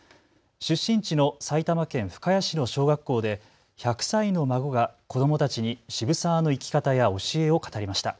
出身地の埼玉県深谷市の小学校で１００歳の孫が子どもたちに渋沢の生き方や教えを語りました。